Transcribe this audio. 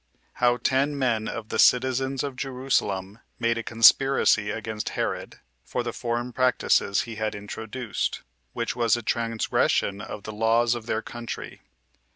How Ten Men Of The Citizens [Of Jerusalem] Made A Conspiracy Against Herod, For The Foreign Practices He Had Introduced, Which Was A Transgression Of The Laws Of Their Country.